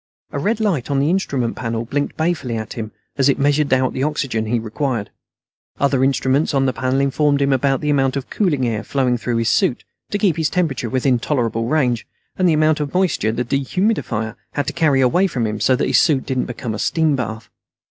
A red light on the instrument panel blinked balefully at him as it measured out the oxygen he required. Other instruments on the panel informed him of the amount of cooling air flowing through his suit to keep his temperature within the tolerable range, and the amount of moisture the dehumidifier had to carry away from him so that his suit didn't become a steam bath.